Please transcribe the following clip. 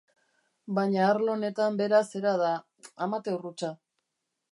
Baina arlo honetan bera zera da... amateur hutsa.